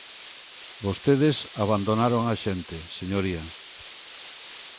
Vostedes abandonaron a xente, señoría.